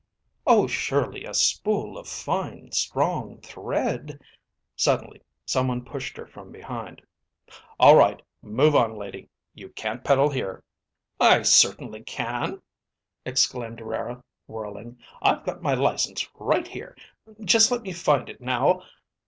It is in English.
"Oh, surely a spool of fine, strong thread ..." Suddenly someone pushed her from behind. "All right. Move on, lady. You can't peddle here." "I certainly can," exclaimed Rara, whirling. "I've got my license right here. Just let me find it now...."